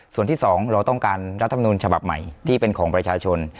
ส่วนที่๒เราต้องการรัฐมนุนฉบับใหม่ที่เป็นของประชาชน